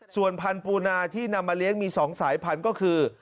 ส่วนพันธุ์ปูนาที่นำมาเลี้ยงมี๒สายพันธุ์ก็คือ